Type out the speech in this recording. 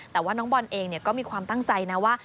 แต่ว่าน้องบอลเองก็มีความตั้งใจนะว่า